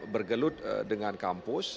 bergelut dengan kampus